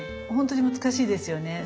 本当に難しいですよね。